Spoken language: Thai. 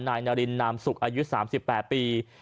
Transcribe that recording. นายนารินนามสุกอายุ๓๘ปี